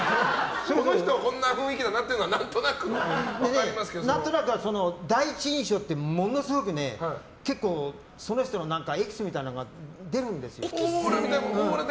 この人はこんな雰囲気だなっていうのは第一印象ってものすごくその人のエキスみたいなのが出るんですよ。